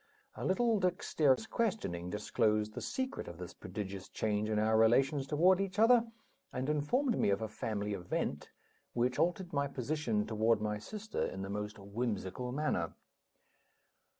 A little dexterous questioning disclosed the secret of this prodigious change in our relations toward each other, and informed me of a family event which altered my position toward my sister in the most whimsical manner.